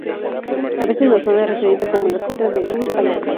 A veces la zona es referida como la sierra de Uspallata.